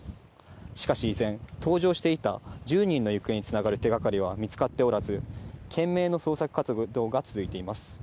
しかし依然、搭乗していた１０人の行方につながる手がかりは見つかっておらず、懸命の捜索活動が続いています。